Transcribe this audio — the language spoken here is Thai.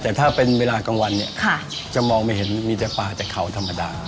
แต่ถ้าเป็นเวลากลางวันเนี่ยจะมองไม่เห็นมีแต่ป่าจากเขาธรรมดา